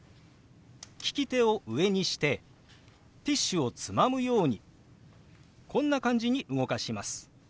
利き手を上にしてティッシュをつまむようにこんな感じに動かします。